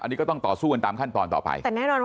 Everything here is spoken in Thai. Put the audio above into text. อันนี้ก็ต้องต่อสู้กันตามขั้นตอนต่อไป